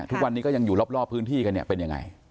ทุกวันนี้ก็ยังอยู่รอบพื้นที่กันเนี่ยเป็นยังไง